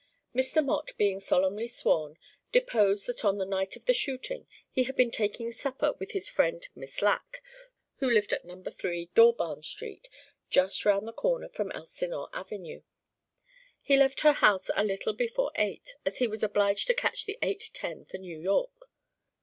Mr. Mott being solemnly sworn, deposed that on the night of the shooting he had been taking supper with his friend Miss Lacke, who lived at Number 3 Dawbarn Street, just round the corner from Elsinore Avenue. He left her house at a little before eight, as he was obliged to catch the eight ten for New York.